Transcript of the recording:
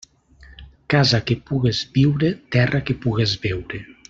Casa que pugues viure, terra que pugues veure.